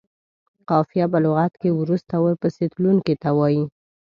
قافیه په لغت کې وروسته او ورپسې تلونکي ته وايي.